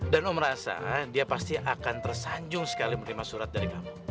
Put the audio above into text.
dan om rasa dia pasti akan tersanjung sekali menerima surat dari kamu